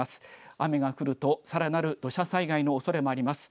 雨が降るとさらなる土砂災害のおそれもあります。